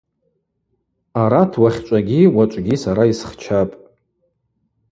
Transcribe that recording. Арат уахьчӏвагьи уачӏвгьи сара йсхчапӏ.